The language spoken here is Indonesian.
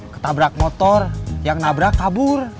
ketabrak motor yang nabrak kabur